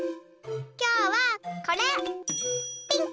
きょうはこれピンク！